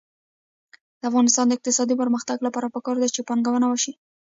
د افغانستان د اقتصادي پرمختګ لپاره پکار ده چې پانګونه وشي.